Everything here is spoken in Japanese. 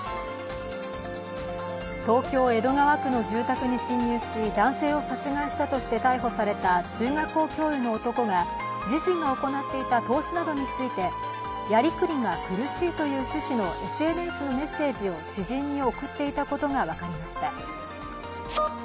東京・江戸川区の住宅に侵入し男性を殺害したとして逮捕された中学校教諭の男が自身が行っていた投資などについてやりくりが苦しいという趣旨のＳＮＳのメッセージを知人に送っていたことが分かりました。